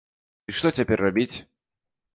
І што цяпер рабіць?